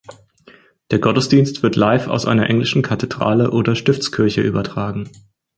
Der Gottesdienst wird live aus einer englischen Kathedrale oder Stiftskirche übertragen.